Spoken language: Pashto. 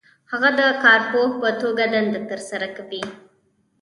هغه د کارپوه په توګه دنده ترسره کوي.